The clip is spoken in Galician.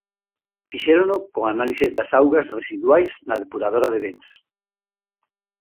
Fixérono con análises das augas residuais na depuradora de Bens.